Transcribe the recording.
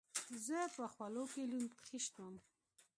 زه په خولو کښې لوند خيشت وم.